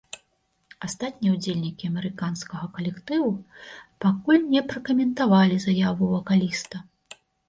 Астатнія ўдзельнікі амерыканскага калектыву пакуль не пракаментавалі заяву вакаліста.